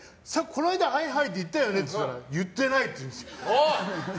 この間、ハイハイって言ったよねって言ったら言ってないって言うんですよ。